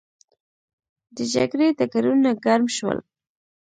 د جګړې ډګرونه ګرم شول.